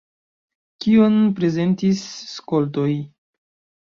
Kion prezentis skoltoj?